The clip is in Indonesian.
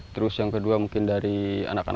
terus yang kedua mungkin dari anak anak